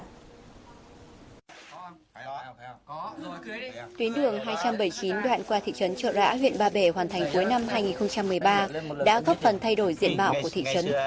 tuyến đường hai trăm bảy mươi chín đoạn qua thị trấn trợ rã huyện ba bể hoàn thành cuối năm hai nghìn một mươi ba đã góp phần thay đổi diện mạo của thị trấn